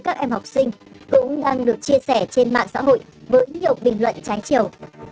các em học sinh cũng đang được chia sẻ trên mạng xã hội với nhiều bình luận trái chiều